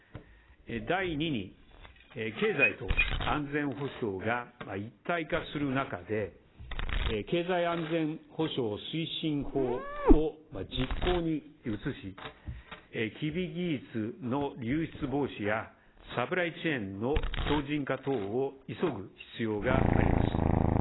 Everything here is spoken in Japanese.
第２に、経済と安全保障が一体化する中で経済安全保障推進法を実行に移しサプライチェーンの強靭化等を急ぐ必要があります。